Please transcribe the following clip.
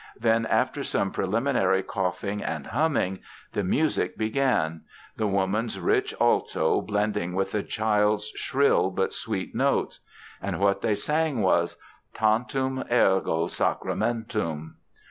Then, after some preliminary coughing and humming, the music began the woman's rich alto blending with the child's shrill but sweet notes. And what they sang was "Tantum ergo Sacramentum."